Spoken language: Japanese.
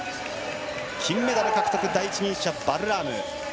金メダル獲得第一人者、バルラーム。